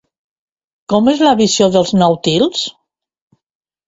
Com és la visió dels nàutils?